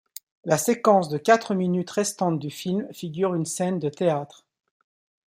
La séquence de quatre minutes restante du film figure une scène de théâtre.